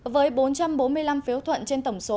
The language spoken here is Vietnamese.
với bốn trăm bốn mươi năm phiếu thuận trên tổng số